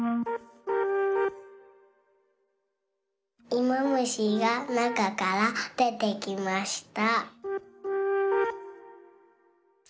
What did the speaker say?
いもむしがなかからでてきました。